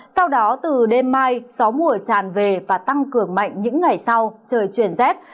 sau đó từ đêm mai gió mùa tràn về và tăng cường mạnh những ngày sau trời chuyển rét